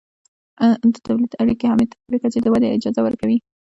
د تولید اړیکې هم تر یوې کچې د ودې اجازه ورکوي.